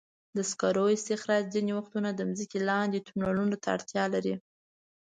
د سکرو استخراج ځینې وختونه د ځمکې لاندې تونلونو ته اړتیا لري.